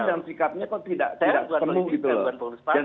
dan sikapnya kok tidak semu gitu loh